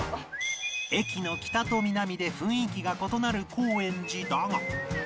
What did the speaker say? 駅の北と南で雰囲気が異なる高円寺だが